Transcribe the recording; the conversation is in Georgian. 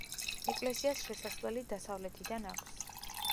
ეკლესიას შესასვლელი დასავლეთიდან აქვს.